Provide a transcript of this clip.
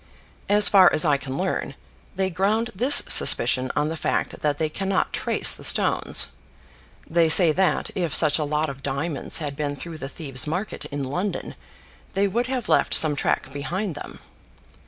As far as I can learn, they ground this suspicion on the fact that they cannot trace the stones. They say that, if such a lot of diamonds had been through the thieves' market in London, they would have left some track behind them.